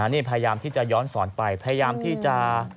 นี่พยายามที่จะย้อนสอนไปพยายามที่จะ